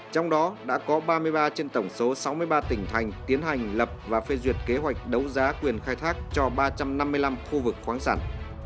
trong đó đã có ba mươi ba trên tổng số sáu mươi ba tỉnh thành tiến hành lập và phê duyệt kế hoạch đấu giá quyền khai thác cho ba trăm năm mươi năm khu vực khoáng sản